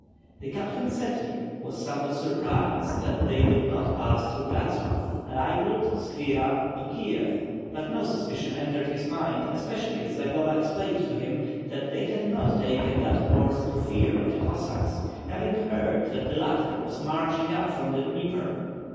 The Captain Setnik was somewhat surprised that they did not pass through Bratslav, Raygrod, Skvira to Kiev, but no suspicion entered his mind, especially as Zagloba ex plained to him that they had not taken that course through fear of the Tartars, having heard that the latter were march ing up from the Dnieper.